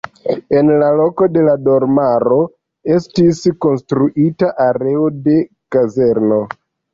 En la loko de la domaro estis konstruita areo de kazerno.